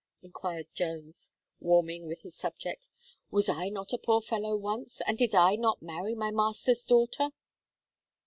inquired Jones, warming with his subject "Was I not a poor fellow once, and did I not marry my master's daughter?"